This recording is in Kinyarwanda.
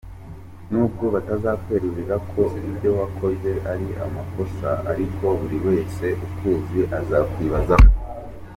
Nubwo batazakwerurira ko ibyo wakoze ari amakosa ariko buri wese ukuzi azakwibazaho.